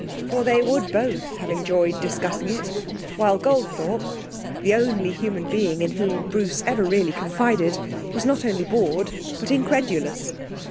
For they would both have enjoyed discussing it, while Goldthorpe, the only human being in whom Bruce ever really confided, was not only bored but incredulous.